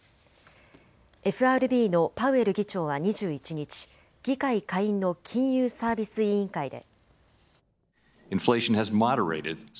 ＦＲＢのパウエル議長は２１日、議会下院の金融サービス委員会で。